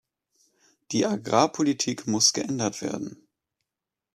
Die Agrarpolitik muss geändert werden.